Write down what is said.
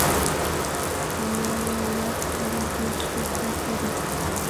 انا له وخت سره زیات څه زده کړي